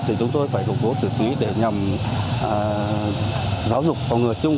thì chúng tôi phải phủng cố tự trí để nhằm giáo dục phòng ngừa chung